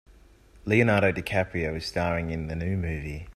Leonardo DiCaprio is staring in the new movie.